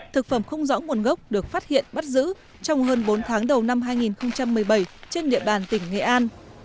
thực phẩm không rõ nguồn gốc được phát hiện bắt giữ trong hơn bốn tháng đầu năm hai nghìn một mươi bảy trên địa bàn tỉnh nghệ an